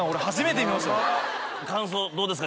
感想どうですか？